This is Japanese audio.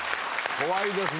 怖いですね